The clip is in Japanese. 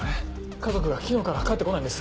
家族が昨日から帰って来ないんです。